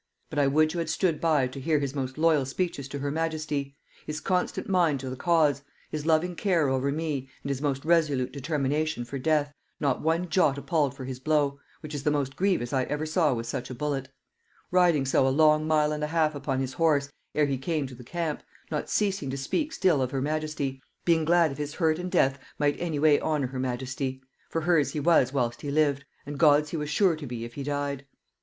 But I would you had stood by to hear his most loyal speeches to her majesty; his constant mind to the cause; his loving care over me, and his most resolute determination for death, not one jot appalled for his blow; which is the most grievous I ever saw with such a bullet; riding so a long mile and a half upon his horse, ere he came to the camp; not ceasing to speak still of her majesty, being glad if his hurt and death might any way honor her majesty; for hers he was whilst he lived, and God's he was sure to be if he died.